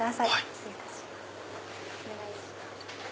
失礼いたします。